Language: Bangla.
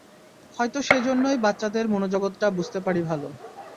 হয়তো সেজন্যই বাচ্চাদের মনোজগতটা বুঝতে পারি ভালো।